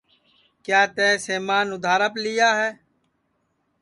کیا تئیں سمان اُدھاراپ لیا ہے